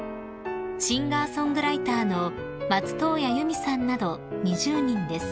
シンガーソングライターの松任谷由実さんなど２０人です］